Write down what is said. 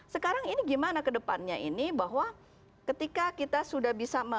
sekarang ini gimana ke depannya ini bahwa ketika kita sudah bisa